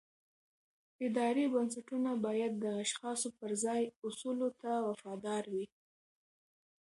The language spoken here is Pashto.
اداري بنسټونه باید د اشخاصو پر ځای اصولو ته وفادار وي